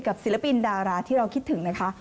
ศิลปินดาราที่เราคิดถึงนะคะ